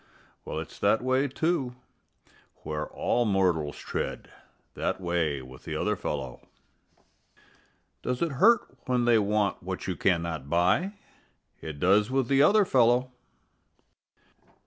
Well, it's that way, too, where all mortals tread That way with the other fellow. Does it hurt when they want what you cannot buy? It does with the other fellow.